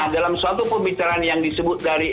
dalam suatu pembicaraan yang disebut dari